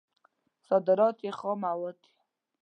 صادرات یې خام مواد دي.